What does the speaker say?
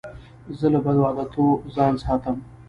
زه له بدو عادتو ځان ساتم.